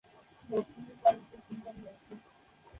বর্তমানে তাদের দুই সন্তান রয়েছে।